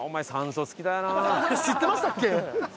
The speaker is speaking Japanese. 知ってましたっけ？